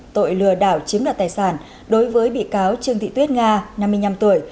tội lừa đảo chiếm đoạt tài sản đối với bị cáo trương thị tuyết nga năm mươi năm tuổi